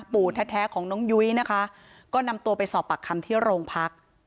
แท้ของน้องยุ้ยนะคะก็นำตัวไปสอบปากคำที่โรงพัก